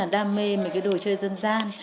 rất là đam mê mấy cái đồ chơi dân gian